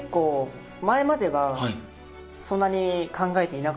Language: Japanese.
前まではそんなに考えていなかったんですけど。